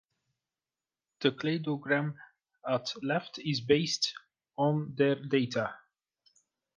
The cladogram at left is based on their data.